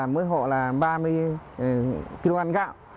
mấy hộ là ba mươi kg gạo